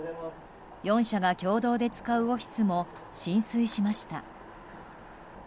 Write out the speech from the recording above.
４社が共同で使うオフィスも浸水しました。